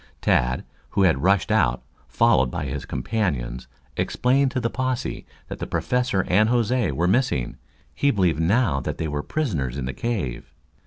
Tad, who had rushed out, followed by his companions, explained to the posse that the Professor and Jose were missing. He believed now that they were prisoners in the cave.